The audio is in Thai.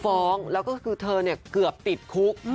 ฟ้องแล้วก็คือเธอเนี่ยเกือบติดคุก